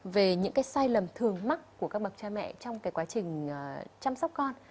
về những cái sai lầm thường mắc của các bậc cha mẹ trong cái quá trình chăm sóc con